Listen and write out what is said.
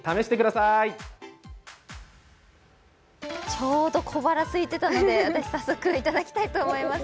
ちょうど小腹すいてたので私、早速いただきたいと思います。